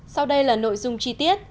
sau đây là nội dung chi tiết